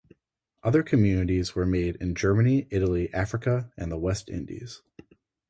Other communities were made in Germany, Italy, Africa and the West Indies.